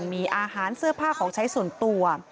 มีอาหารเสื้อผ้าของใช้ส่วนตัว